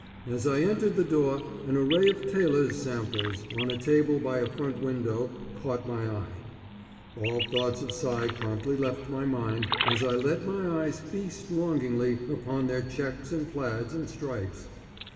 As I entered the door an array of tailors' samples, on a table by a front window, caught my eye. All thoughts of Cy promptly left my mind as I let my eyes feast longingly upon their checks and plaids and stripes.